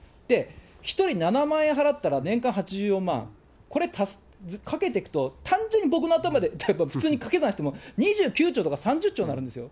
１人７万円払ったら、年間８４万、これ、かけていくと単純の僕の頭で、普通にかけ算しても、２９兆とか３０兆になるんですよ。